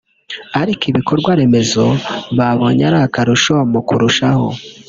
ariko ibikorwaremezo babonye ari akarusho mu kurushaho